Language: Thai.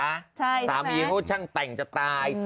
ใช่ใช่ไหมสามีโฮชั่งแต่งจะตาย